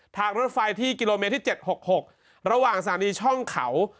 ทางรถไฟที่กิโลเมตรที่๗๖๖ระหว่างสถานีช่องเขา